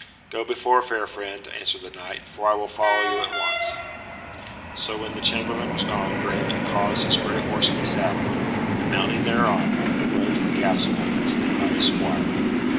"Go before, fair friend," answered the knight, "for I will follow you at once." So when the chamberlain was gone Graelent caused his grey horse to be saddled, and mounting thereon, rode to the castle, attended by his squire.